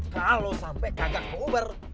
kalau sampai kagak kuber